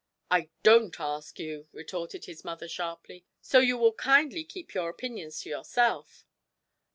'I don't ask you,' retorted his mother, sharply; 'so you will kindly keep your opinions to yourself.'